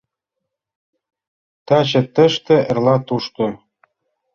Таче тыште, эрла тушто.